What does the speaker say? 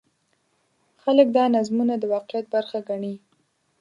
خلک دا نظمونه د واقعیت برخه ګڼي.